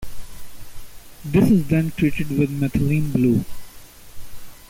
This is then treated with methylene blue.